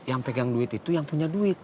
yang pegang duit itu yang punya duit